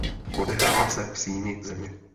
Odehrává se v Síni země.